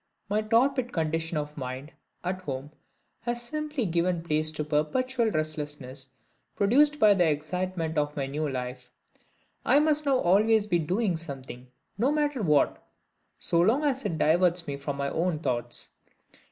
My torpid condition of mind, at home, has simply given place to a perpetual restlessness, produced by the excitement of my new life. I must now always be doing something no matter what, so long as it diverts me from my own thoughts.